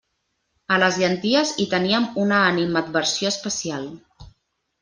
A les llenties, hi teníem una animadversió especial.